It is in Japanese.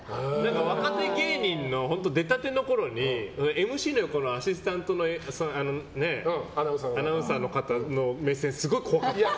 若手芸人の出たてのころにＭＣの横のアシスタントのアナウンサーの方の目線すごい怖かった。